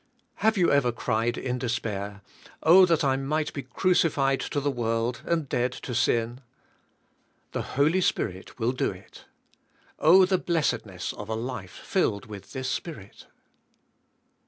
Have you ever cried in despair, " Oh, that I mig ht be crucified to the world and dead to sin?" The Hol}^ Spirit will do it. Oh the blessedness of a life filled with this Spirit.